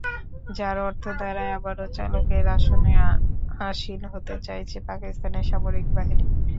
যার অর্থ দাঁড়ায়, আবারও চালকের আসনে আসীন হতে চাইছে পাকিস্তানের সামরিক বাহিনী।